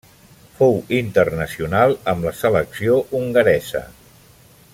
Fou internacional amb la selecció hongaresa.